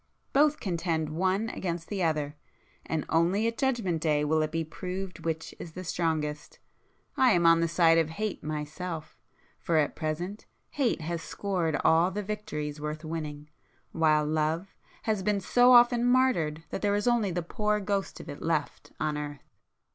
Both contend one against the other,—and only at Judgment Day will it be proved which is the strongest. I am on the side of Hate myself,—for at present Hate has [p 355] scored all the victories worth winning, while Love has been so often martyred that there is only the poor ghost of it left on earth."